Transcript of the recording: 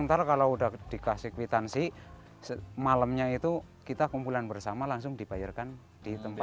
ntar kalau udah dikasih kwitansi malamnya itu kita kumpulan bersama langsung dibayarkan di tempat